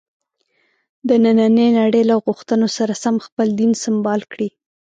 د نننۍ نړۍ له غوښتنو سره سم خپل دین سمبال کړي.